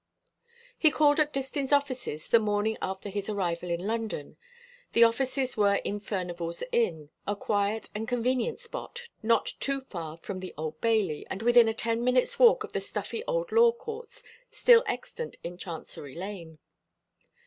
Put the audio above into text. He called at Distin's offices the morning after his arrival in London. The offices were in Furnival's Inn, a quiet and convenient spot, not too far from the Old Bailey, and within a ten minutes' walk of the stuffy old law courts, still extant in Chancery Lane.